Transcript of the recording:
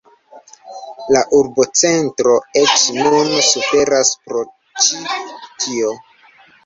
La urbocentro eĉ nun suferas pro ĉi tio.